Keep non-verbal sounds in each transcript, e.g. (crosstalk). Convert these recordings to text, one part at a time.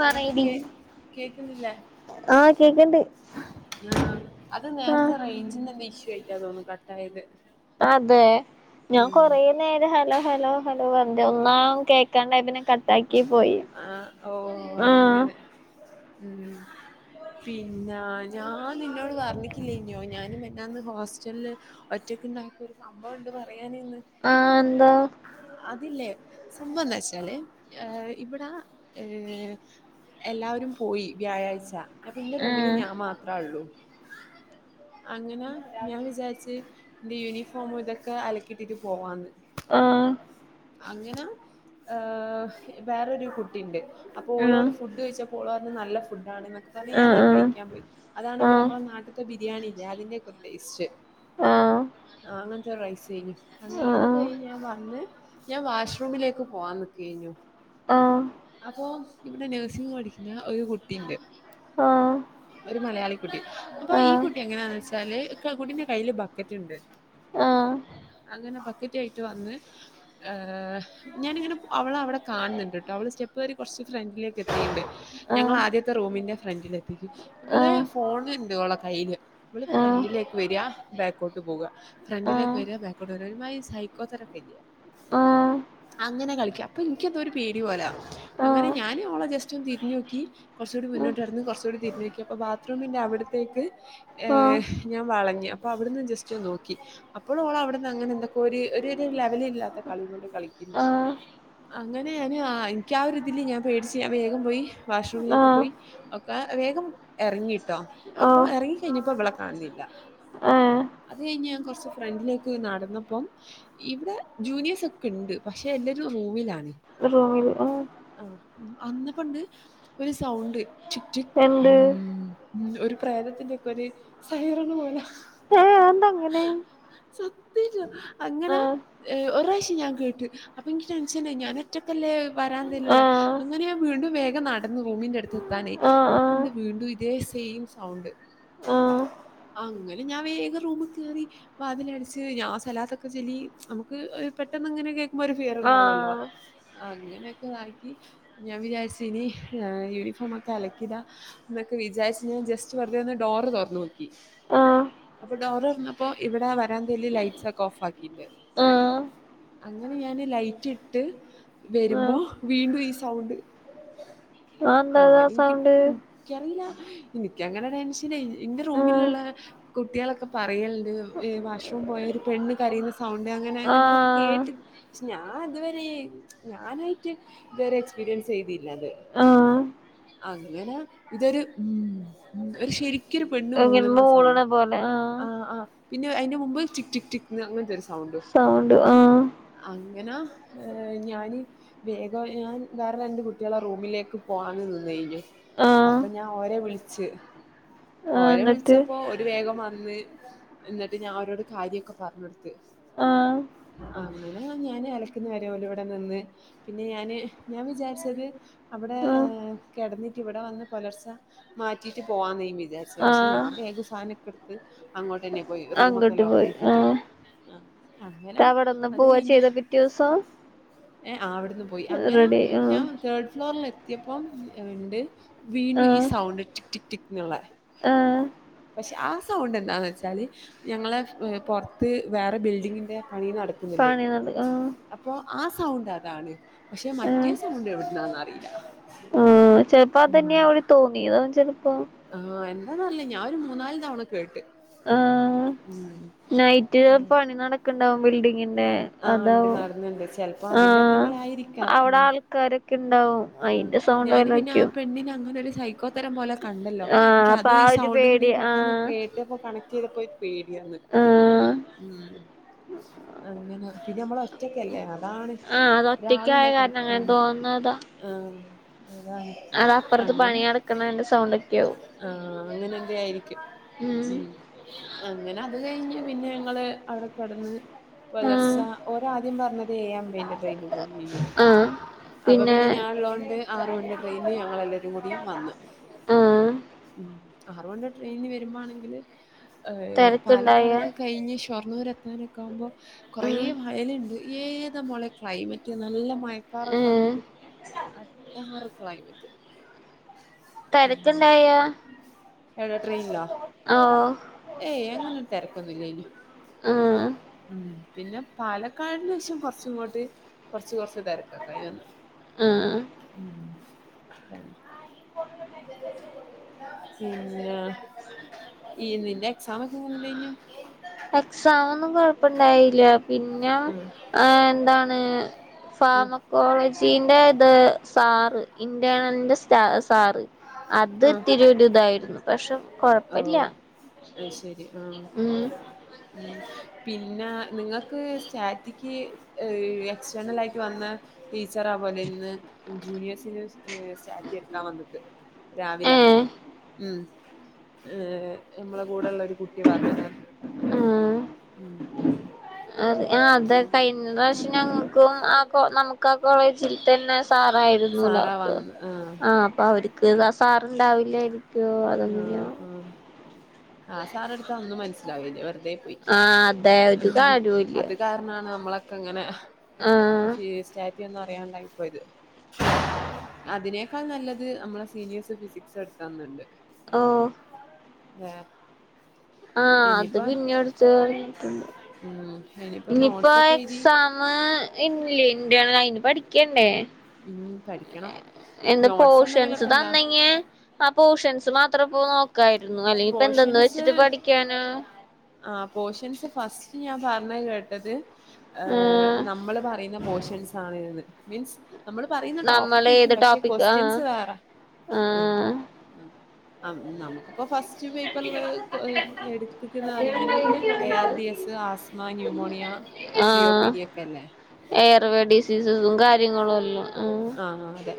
ആഹ് പറയടി കേ കേക്കുന്നില്ല.. ആഹ് കേക്ക്ണ്ട് ആ.. അത് ആഹ് നേരത്തെ റേഞ്ചിന് എന്തേ ഇഷ്യൂ ആയിട്ടാ തോന്നുന്നു കട്ടായത്... അതെ. ഞാൻ ഉം കൊറേ നേരം ഹലോ ഹലോ ഹലോ ഒന്നാം കേ ൾക്കണ്ടായി പിന്നെ കട്ടാക്കി പോയി ആഹ്.. മം. പിന്നെ, ഞാൻ നിന്നോട് പറഞ്ക്കില്ലേഞ്ഞോ ഞാനും മേഞ്ഞാന്ന് ഹോസ്റ്റലില്.. ഒറ്റക്ണ്ടായിപ്പോ ഒരു സംഭവംണ്ട് പറയാന് ന്ന് ആഹ് ന്താ.. അതില്ലേ സംഭവന്താചാ ചാൽ ഇവിടെ ഏഹ് എല്ലാവരും പോയി വ്യാഴാഴ്ച.. അപ്പൊ ഇന്റെ റൂമില് ആഹ് ഞാൻ മാത്രാഉള്ളൂ.. അങ്ങനെ ഞാൻ വിചാരിച്ച്. ഇന്റെ യൂണിഫോമും ഇതൊക്കെ അലക്കിട്ടിട്ട് പോവാന്ന്. ആഹ്.. അങ്ങനെ ഏഹ് വേറൊരു കുട്ടിണ്ട്, അപ്പോൾ ആഹ് ഓളോട് ഫുഡ് ചോയിച്ചപ്പോൾ ഓള് പറ്ഞ്ഞ് നല്ല ഫുഡാണൊക്കെ.. (unintelligible) ഞാനാ ആഹ് കഴിക്കാൻ പോയി. അതാണെങ്കിൽ നമ്മള നാട്ട്ത്തെ ബിരിയാണില്ലേ അതിന്റെക്കെ ഒരു ടേസ്റ്റ്.. ആഹ് ആഹ് ആഹ് ആഹ് ആഹ് ആ അങ്ങനത്തെര് റൈസ് ഏനി അങ്ങനെ അതൊക്കെ കഴിഞ് ഞാൻ വന്ന്.. ഞാൻ വാഷ്റൂമിലേക്ക് പോവാൻ നിക്കെന്നു.. ആഹ് അപ്പൊ ഇവിടെ നഴ്സിംഗ് പഠിക്കുന്ന ഒരു കുട്ടിണ്ട് ആഹ് ആഹ് ആഹ് ആഹ് ആഹ് ആഹ് ഒരു മലയാളി.. കുട്ടി അപ്പൊ ഈ കുട്ടി എങ്ങനെയാന്ന് വെച്ചാല് കുട്ടിന്റെ കയ്യിയില് ബക്കറ്റ്ണ്ട്.. ആഹ്.. ങ്ങനെ ബാക്കറ്റ് ആയിട്ട് വന്ന് ആഹ് ഞാനിങ്ങനെ അവളെ അവ്ടെ കാണ്ന്ന്ണ്ട്ട്ടോ (inaudible) സ്റ്റേപ്പേറി കോർച്ച് ഫ്രണ്ടിലേക്ക് എത്തിയിണ്ട്.. ഞങ്ങളെ ആദ്യത്തെ റൂമിന്റെ ഫ്രണ്ടിലെത്തിക് ഇവിള് ഫോൺണ്ട് ഓളെ കയ്യില് ഇവൾ ഫ്രണ്ടിലേക്ക് വേരാ ബാക്കോട്ട് പോകാ ഫ്രണ്ടിലേക്ക് വരിക ബാക്കോട്ട് പോക ഒര് മാതിരി സൈക്കോ കോത്തരം ഒക്കെഇലേ അങ്ങനെ കളിക്കാം അപ്പൊ എനിക്കന്തോ ഒരു പേടി പോല അങ്ങനെ ഞാന് ഓളെ ജസ്റ്റ് ഒന്ന് തിരിഞ്ഞു നോക്കി കുറച്ചുടി മുന്നോട്ട്നട്ന്ന് കുറച്ചുടി തിരിഞ്ഞോക്കി അപ്പൊ ബാത്റൂമിന്റെ അവിട്ത്തെക്ക്.. ആഹ് ഞാൻ വളഞ്ഞ് അപ്പോൾ അവിടുന്ന് ജസ്റ്റ് ഒന്ന് നോക്കി.. അപ്പോളും ഓളവിടുന്ന് അങ്ങനെ എന്തൊക്കെ ഒര് ഒരു ലെവലില്ലാത്ത കളികളണ്ട് കളിക്കുന്നു.. ആഹ് അങ്ങനെ ഞാന് ആ ഇന്ക് ആ ഒര്ഇതില് ഞാൻ പേടിച്ച് ഞാൻ വേഗം പോയി വാഷ്റൂമിലൊക്കെ ആഹ് പോയി.. ഒക്കെ വേഗം എറങ്ങിട്ടോ അപ്പൊ ഓഹ് ഇറങ്ങി കഴിഞ്ഞപ്പോ ഇവിളെ കാണ്ന്നില്ല.. ഏഹ് അത് കഴിഞ്ഞ് ഞാൻ കൊറച്ച് ഫ്രണ്ടിലേക്ക് നടന്നപ്പം.. ഇവിടെ ജൂനിയേസ് ഒക്കെണ്ട് പക്ഷെ എല്ലരും റൂമിലാണ്. റൂമിൽ ആ അന്നപ്പണ്ട് ഒരു സൗണ്ട് ചിക് ചിക്.. എന്ത് മം ഒരു പ്രേതത്തിന്റെഒക്കൊരു സൈറൺ പോലെ ഏഹ് അതെന്തങ്ങനെ സത് (unintelligible) അങ്ങനെ ആഹ് ഒര്റാശ്യം ഞാൻ കേട്ടു അപ്പൊന്ക്ക് ടെൻഷനായി ഞാൻ ഒറ്റക്കല്ലേ വരാന്തേല്ളേ ആഹ് അങ്ങനെ വീണ്ടും വേഗം നടന്ന് റൂമിന്റെ അടുത്ത് എത്താനേ ആഹ് അപ്പൊണ്ട് വീണ്ടും ഇതേ സെയിം സൗണ്ട് ആഹ് അങ്ങനെ ഞാൻ വേഗം റൂമിൽ കേറി വാതിലടിച്ച് ഞാൻ സലാത്തൊക്കെ ചൊല്ലി നമക്ക് പെട്ടെന്ന് ഇങ്ങനെ ഒക്കെ കേ ക്കുമ്പോ ഒര് ആഹ് ഫിയർഓക്കേണ്ടവല്ലോ ആഹ് അങ്ങനെയൊക്കെതാക്കി ഞാൻ വിചാരിച് ഇനി യൂണിഫോമോക്കെ അലക്കിഡാ എന്നൊക്കെ വിചാരിച്ച് ഞാൻ ജസ്റ്റ് വെറുതെന്ന് ഡോറ് തോറ്ന്ന് നോക്കി ആഹ് അപ്പൊ ഡോറ് തോറ്ന്നപ്പോ ഇവിടെ വരാന്തേല് ലൈറ്റ്സ് ഒക്കെ ഓഫ്ക്കീണ്ട് ആഹ് അങ്ങനെ ഞാന് ലൈറ്റ് ഇട്ട് വരുമ്പോ ആഹ് വീണ്ടും ഈ സൗണ്ട് അന്തതാ സൗണ്ട് റിയില്ല എനിക്ക അങ്ങനെ ടെൻഷന ഇന്റെ ആഹ് റൂമിലുള്ള കുട്ടികളൊക്കെ പറയലുണ്ട് വാഷ്റൂം പോയ ഒരു പെണ്ണ് കരയുന്ന സൗണ്ട് അങ്ങനെ അങ്ങനെക്കെ ആഹ് കേട്ട് പക്ഷെ ഞാൻ ഇതുവരെ ഞാനായി റ്റ് വേറെ എക്സ്പീരിയൻസ് ചെയ്തിയില്ല അത് ആഹ് അങ്ങനെ ഇതൊരു ഉം ഒരു ശരി എരു പെണ്ണ് ഇങ്ങനെ മൂളുന്ന മൂളണ സൗണ്ട് പോലെ ആഹ് ആഹ് പിന്നെ അതിന് മുമ്പ് ടിക് ടിക് ടിക് അങ്ങനെത്തെ സ സൗണ്ട് ആഹ് അങ്ങനാ ഏഹ് ഞാന് വേഗം ഞാൻ വേറെ രണ്ട് കുട്ടികളെ റൂമിലേക്ക് പോകൻ നിന്നയ്ന്നു ആഹ് അപ്പൊ ഞാൻ ഓരെ വിളിച്ച് ആഹ് ഓരെ എന്നിട്ട് വിളിച്ചപ്പോ ഓര് വേഗം വന്ന് ഇന്നിട്ട് ഞാൻ ഒരോട് കാര്യമൊക്കെ പറഞ്ഞ് കൊടുത്ത് ആഹ് ആങ്ങനെ ഞാൻ അലക്കന്ന് വരെ ഓല് ഇവിടെ നിന്ന് പിന്നെ ഞാന് ഞാൻ വിചാരിച്ചത് അവിടെ ആഹ് കിടന്നിട്ട് ഇവിടെ വന്ന് പുലർച്ച മാറ്റിയിട്ട് പോവാന്നും വിചാരിച്ച പക്ഷെ ആഹ് ഞാൻ ബേകും സാധനെക്കെ എടുത്ത് അങ്ങോട്ട് തന്നെ പോയി റൂമൊക്കെ അങ്ങട്ട് ലോക്ക് പോയി ചെയ്തിട്ട് ആഹ് ആ അങ്ങനാ അത് ചെയ്താ പിറ്റേ ദിവസം അവിടെന്ന് പോയി അങ്ങനെ ആഹ് ഞാൻ തേർഡ് ഫ്ലോറിൽെത്തിയപ്പം ഇണ്ട് വീണു ഈ ആഹ് സൗണ്ട് ടിക് ടിക് ടിക് എനുള്ള ആഹ് പക്ഷെ ആ സൗണ്ട് എന്താന്ന് വെച്ചാല് ഞങ്ങളെ പുറത്ത് വേറെ ബിൽഡിങ്ങിന്റെ പണി നട പണി (unintelligible) ആഹ് അപ്പോ ആ സൗണ്ട് അതാണ് പക്ഷെ മറ്റേ ആഹ് സൗണ്ട് എവിടുന്നാന് അറിയില്ല ആ ചെലപ്പോ അതന്നെയാവും തോന്നിയതാ ചിലപ്പോ ആഹ് എന്താന്ന് അറിയില്ല ഞാൻ ഒരു മൂന്നാല് തവണ കേട്ട് ആഹ് ഉം നൈറ്റ് പണി നടക്ക് ഇണ്ടാവും ബിൽഡിങ്ങിന്റെ ആഹ് ഉണ്ട് അതാവും നടന്നുണ്ട് ചിലപ്പോ അതിന്റെ ആഹ് എന്തെങ്കിലും അവിടെ ആൾക്കാരൊക്കെ ഇണ്ടാവും ആ അയിന്റെ സൗണ്ട് ഞാന് പിന്നെ ആ വല്ലോക്കെയാവും പെണ്ണിന് അങ്ങനെ ഒരു സൈ ക്കോത്തരം പോലെ കണ്ടല്ലോ ആഹ് എനിക്ക് അപ്പൊ അതും ആ ഈ ഒരു സൗണ്ടും കൂടി പേടി പെട്ടെന്ന് ആഹ് കേ പ്പോ കണക് ചെയ്തപോ പേടിയന്ന് ആഹ് ഉം അങ്ങനെ പിന്നെ നമ്മള് ഒറ്റക്കല്ലേ അതാണ് ഒരാളു ഇണ്ട കെഴപ്പം ആ നതാ ആഹ് അതാണ് അത അപ്പുറത്ത് പണി അങ്ങനെ നടുക്കുന്നതിന്റെ സൗണ്ട് ഒക്കെയ ആവും ആഹ് അങ്ങനെ എന്തെ ആയിരിക്കും ഉം അങ്ങനെ അത് കഴിഞ്ഞ് പിന്നെ ഞങ്ങള് അവിടെ കെടന്ന് പുലർച്ച ആഹ് ഓര് ആദ്യം പറഞ്ഞത് എഴെഅബിന്റെ ട്രെയിന് പോയി ആഹ് അപ്പൊ പിന്നെ ഉള്ളൊണ്ട് ആറ് മണിയുടെ ട്രെയിനി ഞങ്ങൾ എല്ലാവരും കൂടി വന്നു ആഹ് ഉം ആറ് മണിന്റെ ട്രെയിനിന് വരുമ്പോ ആണെങ്കില് ഏഹ് തെരക്ക്ണ്ടായ പാലക്കാടൊക്കെ കഴിഞ്ഞ് ഷൊർണ്ണൂർ എത്താനൊക്കാ ആ കുമ്പോ ഉം കൊറെേ മ അയലുണ്ട് ഏത് മോളെ ക്ലൈമറ്റ് നല്ല മയക്കാറൊക്കെ ഏഹ് വന്നിട്ട് അഡാറ് ക്ലൈമറ്റ് ഉം തിരക്കുണ്ടായോ എവിടെ ട്രെയിനിലോ ആഹ് ഏയ് അങ്ങനെ തിരക്കൊന്നും ഇല്ലയ്നി ആഹ് ഉം പിന്നെ പാലക്കാടിന് ശേഷം കൊറച്ച ഇങ്ങോട്ട് കുറച്ച് കുറച്ച് തെര കക്കായി വന്നു ആഹ് ഉം പിന്നെ ഈ നിന്റെ എക്സാം ഒക്കെ എങ്ങനെ ഉണ്ടായിനു എക്സമ് ഒന്നും കൊഴപ്പുണ്ടായില്ല പിന്നെ ഉം ആ എന്താണ് ഉം ഫാർമക്കോളജീന്റെ ഇത് സാറ് ഇറേണലന്റെ സ്റ്റാ സാറ് ആഹ് അത്ത്തിരിരി ഇതായിരുന്നു പക്ഷെ കൊഴപ്പില്ല അയ് ശരി ആഹ് ഉം ഉം പിന്നെ നിങ്ങൾക്ക് സ്റ്റാറ്റിക്ക് എക്സ്റ്റേർണൽ ആയിട്ട് വന്ന ടീച്ചർ ആ പോലെ ഇന്ന് ജൂനിയേഴ്സിന് സ്റ്റാറ്റി എടുക്കാൻ വന്ന് രാവില ഏഹ് ഉം ഏഹ് നമ്മള കൂടെ ഉള്ളരു കുട്ടി പറഞ്ഞതാണ് ഉം അ അതെ കഴിഞ്ഞ പ്രാവശ്യ ഞങ്ങക്കും ആ നമുക്ക് ആ കോളേജിൽ തന്നെ സാറായിരുന്നു സാറാ ലോക്ക് വന്ന് ആഹ് അപ്പ അവ ക്ക് ആ സാറുണ്ടാവില്ല ആയിരിക്കും ആഹ് അതെങ്ങനെയോ ആഹ് ആഹ് സാറെ എടുത്ത് ഒന്നും മനസ്സിലാവല്ലേ വെറുതെ പോയി ആഹ് അതെ ഒരു കാര്യോല്ല അത് ക നമ്മളൊക്കെ ഇങ്ങനെ ആഹ് ഫേസ്റ്റാറ്റിയ ഒന്നും അറിയാനല്ലായിയിപ്പോയത് അതിനേക്കാൾ നല്ലത് നമ്മളെ സീനിയേഴസ് ഫിസിക്സ് എടുക്കാന്നുണ്ട് ആഹ് ഏഹ് ആഹ് അത് ഇനിയിപ്പ പിന്നെടുത്ത പറഞ്ഞിട്ടുണ്ട് ഉം ഇനിപ്പോ നോട്സ് ഒക്കെ എഴുതി ആഹ് ഇല്ല ഇറ്റേണ് അയിന് പഠിക്കണ്ടേ ഉം പഠിക്കണം എന്ത് നോട്ട്സ് പോഷൻസ് എന്തെങ്കിലൊക്കെ ഇണ്ടാ താന്നെങ്കി ആ പോഷൻസ് മാത്രം പോ നോക്കായിരുന്നു അല്ലെങ്കിൽ ഇപ്പ എന്തെന്ന് വെച്ചിട്ട് പോഷൻസ് പഠിക്കാന് ആ പോഷൻസ് ഫസ്റ്റ് ഞാൻ പറഞ്ഞത് കേട്ടത് ഏഹ് ആഹ് നമ്മള് പറയുന്ന പോഷൻസ് ആണ്ന്ന് മീൻസ് നമ്മള് പറയുന്ന നമ്മള് ടോപ്പിക്ക്യ്ക്കും ഏത് പക്ഷെ ടോപ്പിക് ആഹ് ക്വസ്റ്റ്യൻസ് വേറെ ആഹ് ആ നമുക്കിപ്പോ ഫസ്റ്റ് ഇള്ള എടുന്ന് അറിയാന് A R D S asthma pneumonia C O P ah D F എല്ലേ എയർവേ ഡിസീസസും കാര്യങ്ങളും എല്ലാം ആഹ് ആഹ് അതെ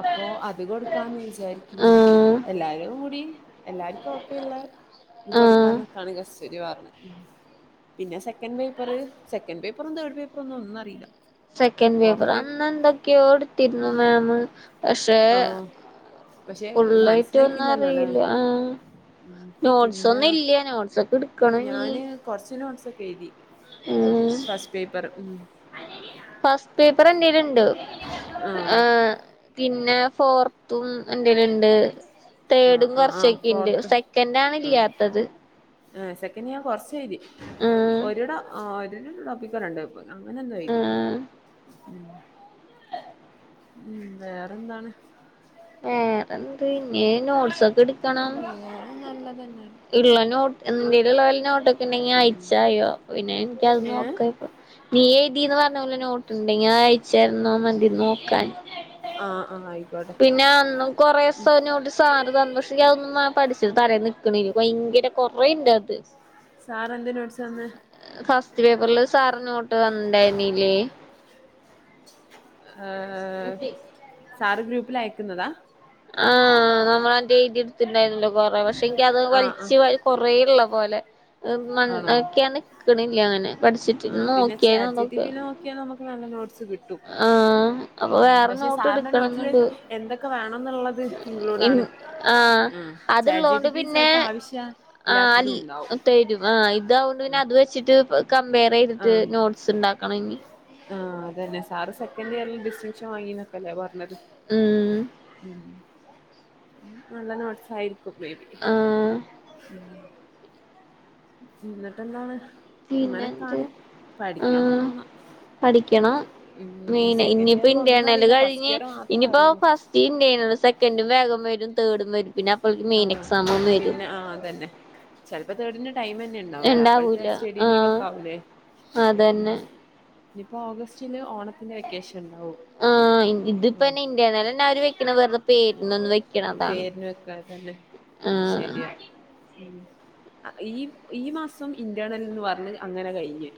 അപ്പൊ അത് കൊടുക്കാന്ന് വിചാരിക്കുന്നു ആഹ് എല്ലാരും കൂടി എല്ലാവർക്കും ഒക്കെയ ഉള്ള ഇത് ആഹ് കൊടുക്കാന്നൊക്കാണ് കശൂരി പറഞ്ഞത് പിന്നെ സെക്കൻഡ് പേപ്പർ സെക്കൻഡ് പേപ്പറും തേർഡ് പേപ്പറും ഒന്നും ഒന്നും അറിയില്ല സെക്കൻഡ് പേപ്പർ ഫോർത്ത് പേപ്പ അന്ന് എന്തൊക്കെയോ എടുത്തിരുന്നു മാം പക്ഷെ ആഹ് പക്ഷെ ഫുള്ളായിട്ട് ഒന്നും മനസ്സിലാക്കില്ലല്ലോ അല്ലെ അറിയില്ല ആഹ് നോട്ട്സ് പിന്നെ ഒന്നും ഇല്ല നോട്ട്സ് ഒക്കെ എടു ഞാന് കൊറച്ച് നോട്ട്സ് ഒക്കെ എഴുതി ഉം ഫസ്റ്റ് പേപ്പർ ഉം ഫസ്റ്റ് പേപ്പർ എന്തേിലുണ്ട് ആഹ് പിന്നെ ഫോർത്തും എന്റെല് ഉണ്ട് ആഹ് തേർഡും ആഹ് ആഹ് കുറച്ചൊക്കെുണ്ട് ഫോർത്ത് സെക്കൻഡ് ആണ് ഇല്ലാത്തത് സെക്കൻ് ഞാൻ കൊറച്ച് എഴുതി ആഹ് ഒ ടോപ്പിക്കോ രണ്ടേ അങ്ങനെ എന്തോ എയ്തെള്ളോ ആഹ് ഉം ഉം വേറെന്താണ് ഏഹ് വേറെന്ത് ഇന്ന നോട്സ് ഒക്കെ എ വേറെ നല്ലതന്നെയാണ് ഉള്ളോട്ട് എന്തലുള്ളവലോട്ടൊക്കെ ഉണ്ടെങ്കി ഉം അയച്ചായോ പിന്നെ എനിക്കത് ഏഹ് നോക്ക ഇപ്പോ നീ എഴുതിന്ന് പറഞ്ഞ പോലെ നോട്ട് ഉണ്ടെങ്കി അയച്ചരുന്നോ മതി നോക്കാന് ആഹ് ആ ആയി പിന്നെ അന്നും കുറേസോ നോട്ട് സാറ് തന്നു പക്ഷെതും പഠിച്ചി തല നിൽക്കണല്ല ഭയങ്കരം കൊറേണ്ടകത്ത് സാറെന്തിന് വേടിച്ചന്ന് ഫസ്റ്റ് പേപ്പറ്ല് സാറ്നോട്ട് തന്ന്ണ്ടായിര്ന്നിലേ ഏഹ് സാറ് ഗ്രൂപ്പിലയക്ക്ന്നതാ ആഹ് നമ്മളന്റെെതി ട്ത്ത്ണ്ടായിര്ന്നല്ലോ കൊറേ പക്ഷെ എങ്കി അത് ആഹ് ആഹ് വലിച്ച് വാരി കൊറേള്ളപോലെ അഅ് മണ് ആണോ അഒക്കെയണ് ക്ക്ണില്യ അങ്ങനെ പഠിച്ചിട്ടിര്ന്ന് നോക്കിയാര്ന്നു അതൊക്കേ ക്ക് നമക്ക് നല്ല നോട്ട്സ് കിട്ടും ആഹ് അപ്പൊ ഉം വേറെ പക്ഷെ നോട്ട് സാറ്ന് നോട്ട്ല് എടുക്കണംന്നുണ്ട് എന്തൊക്കെ വാണംന്ന്ള്ളത് ത് ഇൻ ഇക്ലൂഡാണ് ആഹ് ഉം അത്ള്ളോണ്ട് ചാറ്റ്ജിറ്റിപി പിന്നെ ചെലപ്പോ ആവശ്യ ആഹ് അൽ ഇല്യാത്തതും ഉണ്ടാവും തരും ആഹ് ഇതാവോണ്ട് പിന്നെ അത് വെച്ചിട്ട് പ കംമ്പയറൈതിട്ട് ആഹ് നോട്സ് ഇണ്ടാക്കണം ഇനി ആഹ് അതന്നെ സാറ് സെക്കൻഡ് ഇയർല് ഡിസ്റ്റിങ്ഷൻ വാങ്ങിന്നൊക്കെല്ലേ പർണത് ഉം ഉം ഉം നല്ല നോട്ട്സായ്രിക്കും മേബി ആഹ് ഉം ഇന്ന്ട്ടെന്താണ് പിന്നെന്ത് പഠിക്കാം ആഹ് പോണോന്ന് പഠിക്കണം മെെന് ഇഞ്ഞ് ഇപ്പോ ഇയറിൽ ഒന്നും ഇന്റേണല് അറിയില്ല ഫസ്റ്റ് കഴിഞ്ഞ് ഇയർ മാത്രമേ ഇഞ്ഞ്പ്പോ അറിയുള്ളൂ ഫസ് ഇന്റേണല് സെക്കൻഡും വേഗം വരും തേർഡും വരും പിന്നെ അപ്പൾക്കിന് മെയിൻ ആഹ് എക്സാമും വരും ആഹ് അതന്നെ ചെലപ്പോ തേടിന് ടൈംമെൻ ന്ണ്ടാവൂല അപ്പഴ്ത്തെ ഉണ്ടാവൂല സ്റ്റഡിലീവ് ആഹ് ഒക്കെ ആവൂലേ ഉം അതന്നെ ഇഞ്ഞ്ഇപ്പോ ഓഗസ്റ്റില് ഓണത്തിന്റെ വെക്കേഷൻ ഇണ്ടാവും ആഹ് ഇൻ ഇതിപ്പെന്നേ ഇന്റേണലന്നെ അവര് വെക്ക്ണത് വെറ്തെ പേര്ന് ഒന്ന് വെക് പേര്ന് വെക്കാതന്നെ ആഹ് ശരിയാ ഉം അ ഈ ഈ മാസം ഇന്റേർണൽ ന്നു പറ്ഞ്ഞ് അങ്ങനെ കയിഞ്ഞ്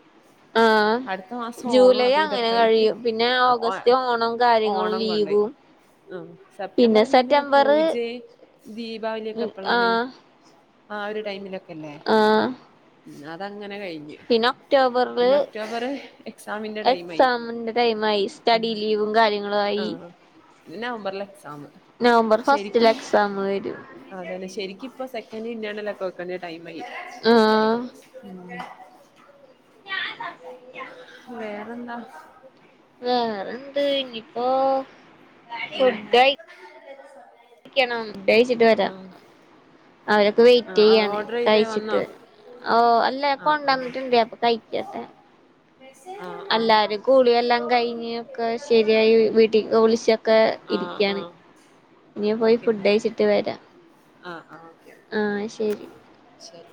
ആഹ് അട്ത്ത മാസം ഓണം ജൂലൈ അങ്ങനെ അതുഇതൊക്കായിറ്റ് കഴിയും പിന്നെ അ ഒ ഓഗസ്റ്റ് ഏഹ് ഓണം കാര്യങ്ങളും ഓണം കൊണ്ടോയി ലീവും ആഹ് സെപ്റ്റംബറ് പിന്നെ പൂജേ ദീപാവലിയെക്കെ എപ്പളാണ് ആഹ് ആഹ് ഒര് ടൈമിലൊക് ക്കല്ലേ ആഹ് ഉം അതങ്ങനെ കയി പിന്നെ ഒക്ടോബറ്ല് എക്സാമിന്റെ ടൈമായി എക്സാമ്ന്റെ ടൈം ആയിസ് തടി ലീവും കാര്യങ്ങളും ആയി നവംമ്പർലാഎക്സാമ് നവംമ്പർ ഫസ്റ്റില് എക്സാമ് വരും അതന്നെ ശരിക്ക്ഇപ്പൊ സെക്കൻഡ് ഇൻഡേണലൊക്കെ വെ പണിടെ ടൈമായി ആഹ് വേറെന്താ വേറെന്ത് ഇഞ്ഞ്പ്പോ ആഹ് ക്കണം ഫുഡൈച്ചിട്ട് വെരാ അവരൊക്കെ ആ വെയിറ്റ്യ്യാണ് ഓർഡർ ചെയ്തേ കഴിച്ചിട്ട് വന്നോ വരാം ഓ അല്ല ആ ഞാകൊണ്ടന്ന്ട്ട്ണ്ട് അപ്പൊ കയിക്കട്ടെ മെസേജാണ് ആഹ് ആഹ് അല്ലാരും കുളിയെല്ലാം കയിഞ്ഞ് ഒക്കെ ശെരിയായി വീട്ടിക്ക് വിളിച്ചോ ഒക്കെ ആഹ് ഇരിക്കിയാണ് ആഹ് ഇനി ഞാൻ പോയി ഓക്കെ എന്നാല് ഫുഡൈച്ചിട്ട് വെരാ ആഹ് ആഹ് ഓക്കെ ആഹ് ശരി ശെരി